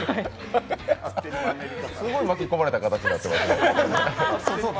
すごい巻き込まれた形になってますが。